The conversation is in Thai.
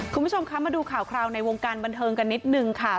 คุณผู้ชมคะมาดูข่าวคราวในวงการบันเทิงกันนิดนึงค่ะ